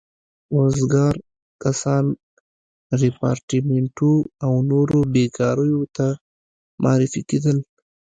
وزګار کسان ریپارټیمنټو او نورو بېګاریو ته معرفي کېدل.